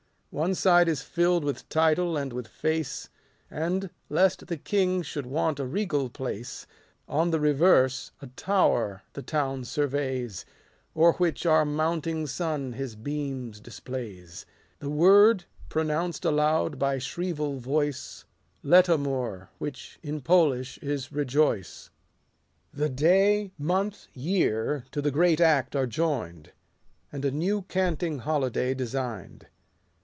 One side is fill'd with title and with face ; 10 And, lest the king should want a regal place, On the reverse, a tower the town surveys ; O'er which our mounting sun his beams displays. The word, pronounced aloud by shrieval voice, Laetamur, which, in Polish, is rejoice. The day, month, year, to the great act are join'd : And a new canting holiday design'd.